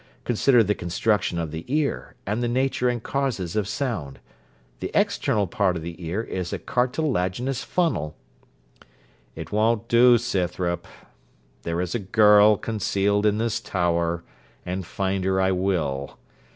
Consider the construction of the ear, and the nature and causes of sound. The external part of the ear is a cartilaginous funnel.' 'It wo'n't do, Scythrop. There is a girl concealed in this tower, and find her I will.